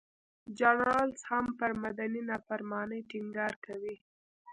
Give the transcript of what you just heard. جان رالز هم پر مدني نافرمانۍ ټینګار کوي.